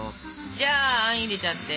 じゃああん入れちゃって。